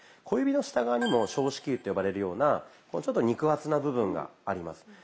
小指の下側にも小指球と呼ばれるようなちょっと肉厚な部分があります。